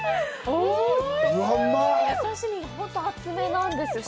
お刺身が本当に厚めなんですよ。